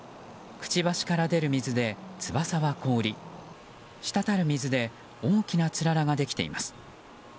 くちばしから出る水で、翼は凍り滴る水で大きなつららができています。